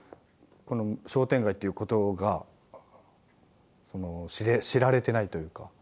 商店街っていうことが知られていないというか。